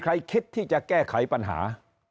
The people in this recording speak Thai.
คิดที่จะแก้ไขปัญหา